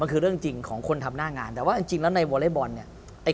มันคือเรื่องจริงของคนทำหน้างานแต่ว่าจริงแล้วในวอเล็กบอลเนี่ย